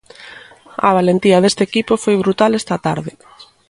A valentía deste equipo foi brutal esta tarde.